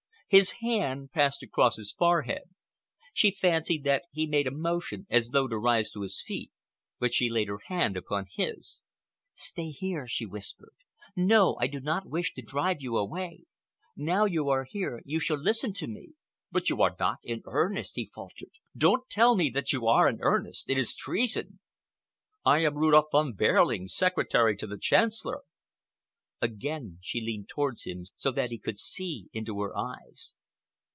His hand passed across his forehead. She fancied that he made a motion as though to rise to his feet, but she laid her hand upon his. "Stay here," she whispered. "No, I do not wish to drive you away. Now you are here you shall listen to me." "But you are not in earnest!" he faltered. "Don't tell me that you are in earnest. It is treason. I am Rudolph Von Behrling, Secretary to the Chancellor." Again she leaned towards him so that he could see into her eyes.